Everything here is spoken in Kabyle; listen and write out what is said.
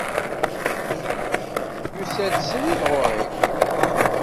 Yusa-d srid ɣer-i.